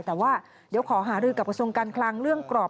แต่ว่าเดี๋ยวขอหารือกับกระทรวงการคลังเรื่องกรอบ